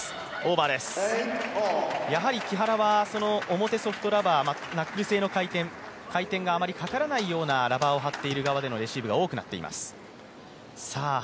やはり木原は表ソフトラバーナックル性の回転があまりかからないようなラバーを貼っている側でのレシーブが多くなっています。